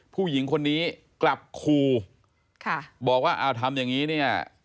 ผู้หญิงคนนี้กลับคูบอกว่าทำอย่างนี้